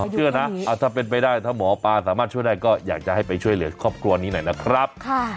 เชื่อนะถ้าเป็นไปได้ถ้าหมอปลาสามารถช่วยได้ก็อยากจะให้ไปช่วยเหลือครอบครัวนี้หน่อยนะครับ